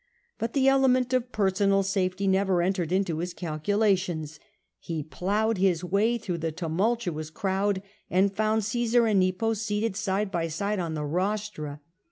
But the element of personal safety never entered into his calculations. He ploughed his way through the tumultuous crowd, and found Caesar and Hepos seated side by side on the rostra.